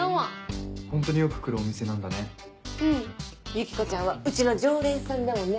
ユキコちゃんはうちの常連さんだもんね。